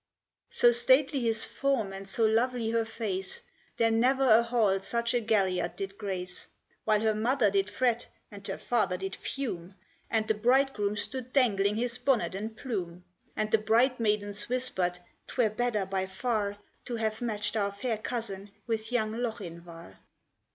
So stately his form, and so lovely her face, That never a hall such a galliard did grace; While her mother did fret, and her father did fume, And the bridegroom stood dangling his bonnet and plume, And the bridemaidens whispered, "'Twere better, by far, To have matched our fair cousin with young Lochinvar."